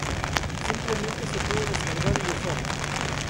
Simplemente se pueden descargar y usar.